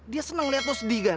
dia senang liat lo sedih gar